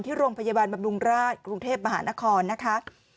ที่โรงพยาบาลบำรุงราชกรุงเทพมหานครนะคะ